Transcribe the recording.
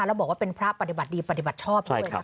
แล้วบอกว่าเป็นพระปฏิบัติดีปฏิบัติชอบด้วย